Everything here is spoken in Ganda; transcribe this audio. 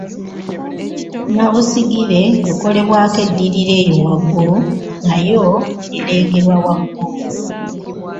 nnabusigire ekolebwako eddirira eyo waggulu nayo ereegerwa waggulu